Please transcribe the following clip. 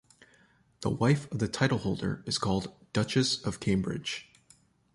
The wife of the titleholder is called "Duchess of Cambridge".